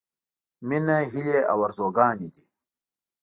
— مينه هيلې او ارزوګانې دي.